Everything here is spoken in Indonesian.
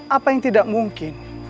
apa yang tidak mungkin